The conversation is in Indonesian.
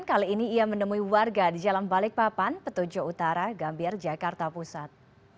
kali ini ia menemui warga di jalan balikpapan petujo utara gambir jakarta pusat